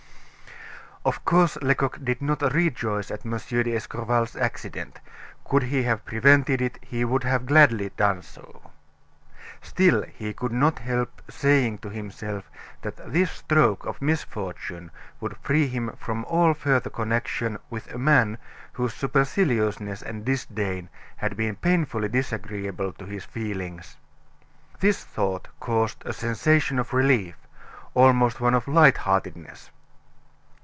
Of course, Lecoq did not rejoice at M. d'Escorval's accident; could he have prevented it, he would have gladly done so. Still, he could not help saying to himself that this stroke of misfortune would free him from all further connection with a man whose superciliousness and disdain had been painfully disagreeable to his feelings. This thought caused a sensation of relief almost one of light heartedness.